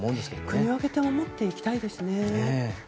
国を挙げて守っていきたいですね。